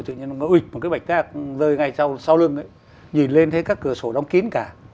tự nhiên nó bịch một cái bạch cát rơi ngay sau lưng ấy nhìn lên thấy các cửa sổ đóng kín cả